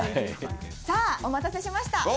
さあお待たせしました。